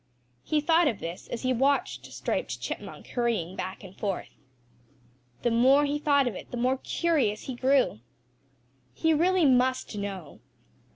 He thought of this as he watched Striped Chipmunk hurrying back and forth. The more he thought of it the more curious he grew. He really must know.